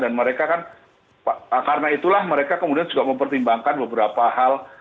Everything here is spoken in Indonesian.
dan mereka kan karena itulah mereka kemudian juga mempertimbangkan beberapa hal